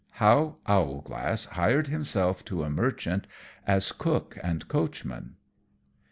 _How Owlglass hired himself to a Merchant as Cook and Coachman.